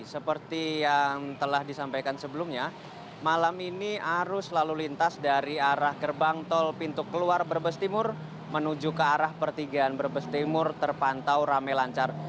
seperti yang telah disampaikan sebelumnya malam ini arus lalu lintas dari arah gerbang tol pintu keluar brebes timur menuju ke arah pertigaan brebes timur terpantau rame lancar